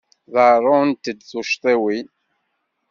Ḍerrunt-d tuccḍiwin.